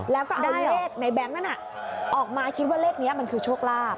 แล้วก็เอาเลขในแบงค์นั้นออกมาคิดว่าเลขนี้มันคือโชคลาภ